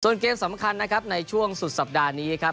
เกมสำคัญนะครับในช่วงสุดสัปดาห์นี้ครับ